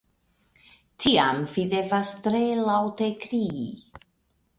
Tiam vi devas tre laŭte krii.